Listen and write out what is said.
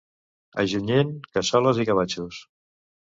A Junyent, cassoles i gavatxos.